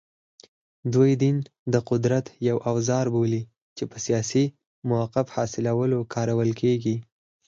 دوی دین د قدرت یو اوزار بولي چې په سیاسي موقف حاصلولو کارول کېږي